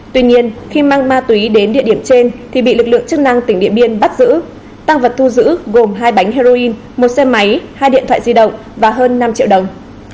tuy nhiên khi mang ma túy đến địa điểm trên thì bị lực lượng chức năng tỉnh điện biên bắt giữ tăng vật thu giữ gồm hai bánh heroin một xe máy hai điện thoại di động và hơn năm triệu đồng